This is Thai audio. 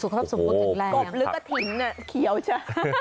กบหรือกระถิ่นเขียวจ้ะ